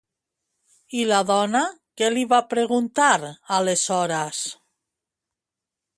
I la dona què li va preguntar aleshores?